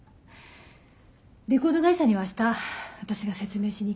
レコード会社には明日私が説明しに行くから。